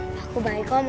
aku baik om alhamdulillah